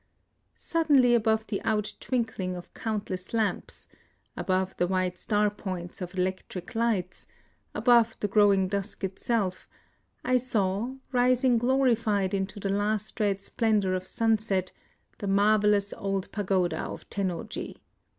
Suddenly above the out twinkling of countless lamps, — above the white star points of electric lights, — above the growing dusk 184 IN OSAKA itself, — I saw, rising glorified into the last red splendor of sunset, tlie marvelous old pagoda of Tennoji.